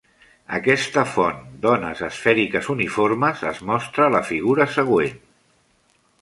Aquesta font d'ones esfèriques uniformes es mostra a la figura següent.